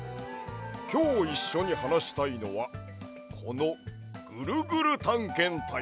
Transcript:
きょういっしょにはなしたいのはこの「ぐるぐるたんけんたい」。